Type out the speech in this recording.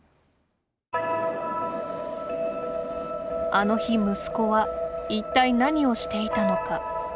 あの日息子は一体何をしていたのか。